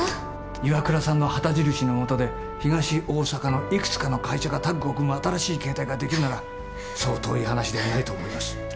ＩＷＡＫＵＲＡさんの旗印のもとで東大阪のいくつかの会社がタッグを組む新しい形態ができるならそう遠い話ではないと思います。